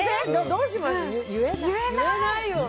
どうします？